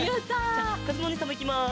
じゃあかずむおにいさんもいきます。